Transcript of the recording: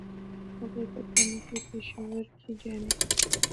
د هغې په تن نخي پېښورۍ جامې وې